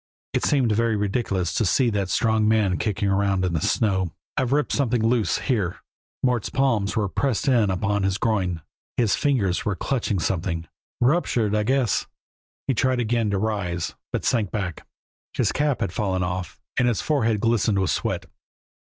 It seemed very ridiculous to see that strong man kicking around in the snow. "I've ripped something loose here." Mort's palms were pressed in upon his groin, his fingers were clutching something. "Ruptured I guess." He tried again to rise, but sank back. His cap had fallen off and his forehead glistened with sweat.